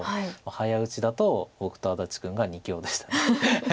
早打ちだと僕と安達君が２強でした。